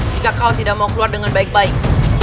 jika kau tidak mau keluar dengan baik baik